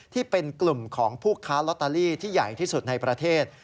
ที่เป็นกลุ่มของผู้ค้าลอตเตอรี่ที่ใหญ่ที่สุดในประเทศ